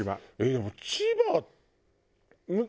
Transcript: でも千葉。